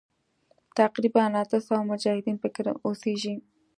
تقریباً اته سوه مجاهدین پکې اوسیږي.